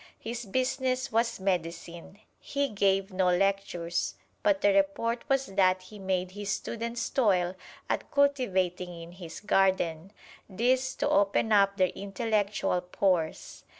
His business was medicine. He gave no lectures, but the report was that he made his students toil at cultivating in his garden this to open up their intellectual pores.